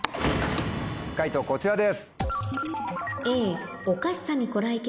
解答こちらです。